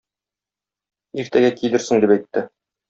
Иртәгә килерсең дип әйтте.